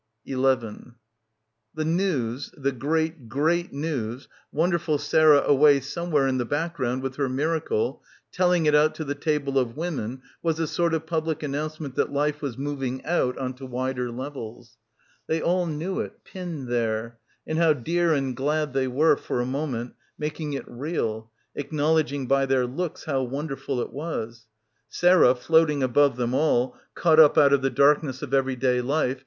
11 The news, the great great news, wonderful Sarah away somewhere in the background with her miracle — telling it out to the table of women was a sort of public announcement that life was moving out on to wider levels. They all knew it, pinned there; and how dear and glad they were, for a moment, making it real, acknowledging by their looks how wonderful it was. Sarah, floating above them all, caught up out of the darkness of everyday life. .